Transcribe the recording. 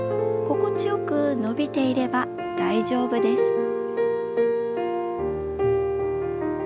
心地よく伸びていれば大丈夫です。